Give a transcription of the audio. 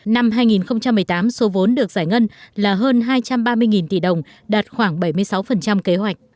năm hai nghìn một mươi tám số vốn được giải ngân là hơn hai trăm ba mươi tỷ đồng đạt khoảng bảy mươi sáu kế hoạch